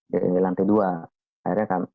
di lantai dua